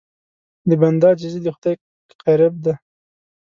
د بنده عاجزي د خدای قرب ده.